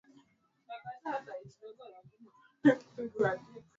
sehemu nyeti ya mifumo ya ikolojia ya maziwa kuwa na asidi